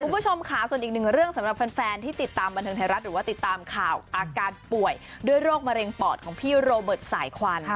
คุณผู้ชมค่ะส่วนอีกหนึ่งเรื่องสำหรับแฟนที่ติดตามบันเทิงไทยรัฐหรือว่าติดตามข่าวอาการป่วยด้วยโรคมะเร็งปอดของพี่โรเบิร์ตสายควัน